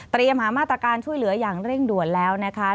หามาตรการช่วยเหลืออย่างเร่งด่วนแล้วนะคะ